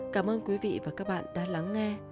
cảm ơn quý vị và các bạn đã lắng nghe